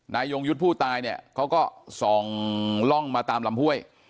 ยงยุทธ์ผู้ตายเนี่ยเขาก็ส่องล่องมาตามลำห้วย